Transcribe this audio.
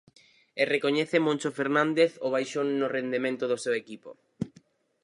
E recoñece Moncho Fernández o baixón no rendemento do seu equipo.